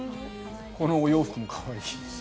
このお洋服も可愛いし。